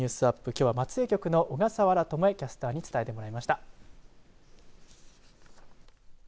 きょうは松江局の小笠原知恵キャスターに伝えてもらいました。